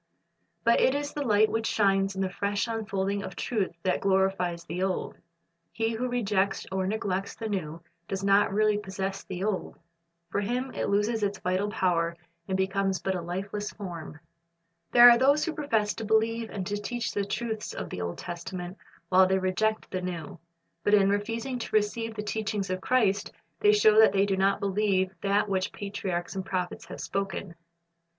'" But it is the light which shines in the fresh unfolding of truth that glorifies the old. He who rejects or neglects the new, does not really possess the old. For him it loses its vital power, and becomes but a lifeless form. There are those who profess to believe and to teach the truths of the Old Testament, while they reject the New. But in refusing to receive the teachings of Christ, they show that they do not believe that which patriarchs and prophets have .spoken.